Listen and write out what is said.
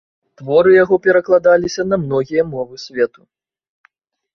Творы яго перакладаліся на многія мовы свету.